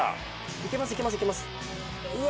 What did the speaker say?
いけますいけますいけますうわ